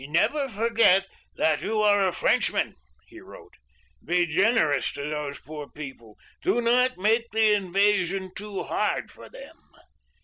'Never forget that you are a Frenchman,' he wrote; 'be generous to those poor people. Do not make the invasion too hard for them.